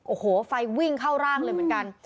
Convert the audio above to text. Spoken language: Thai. โอ้โหไฟวิ่งเข้าร่างเลยเหมือนกัน